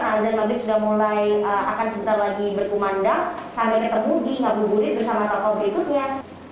kita mau buka puasa dulu karena azan maghrib sudah mulai akan sebentar lagi berkumandang sampai ketemu di ngabung gurit bersama tokoh berikutnya